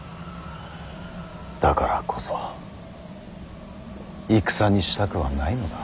だからこそ戦にしたくはないのだ。